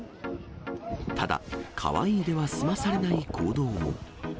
ただ、かわいいでは済まされない行動も。